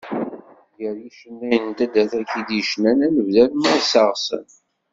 Gar yicennayen n taddart-agi i d-yecnan ad nebder Marseɣsan.